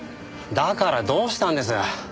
だからどうしたんです？